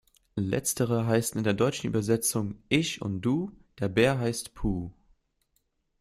Letztere heißen in der deutschen Übersetzung Ich und Du, der Bär heißt Pu.